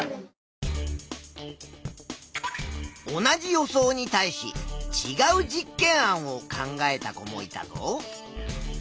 同じ予想に対しちがう実験案を考えた子もいたぞ。